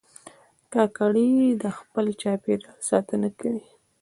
کاکړي د خپل چاپېریال ساتنه کوي.